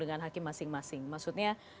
dengan hakim masing masing maksudnya